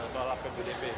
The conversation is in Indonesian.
saya mau mencoba